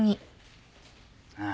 ああ。